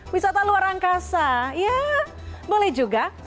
wisata luar angkasa ya boleh juga